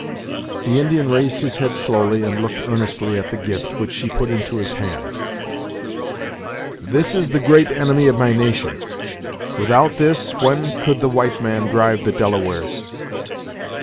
The Indian raised his head slowly and looked earnestly at the gift, which she put into his hand. "This is the great enemy of my nation. Without this, when could the white man drive the Delawares?